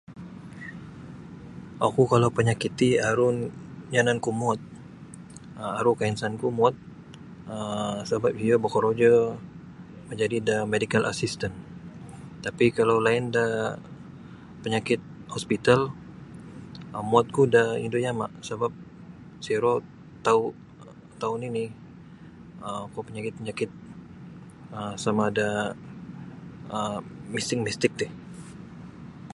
Oku kalau panyakit ti aru yananku muwot um aru kainsanku muwot um sabap iyo bokorojo majadi da medical assistant tapi kalau lain da panyakit hospital um muwotku da indu' yama' sabap siro tau' tau' nini' um kuo panyakit-panyakit sama da um mistik-mistik ti.